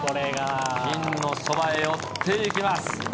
ピンのそばへ寄っていきます。